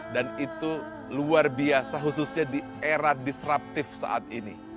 dan itu luar biasa khususnya di era disruptif saat ini